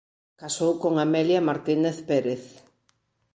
Casou con Amelia Martínez Pérez